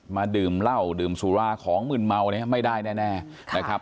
ดื่มเหล้าดื่มสุราของมืนเมาเนี่ยไม่ได้แน่นะครับ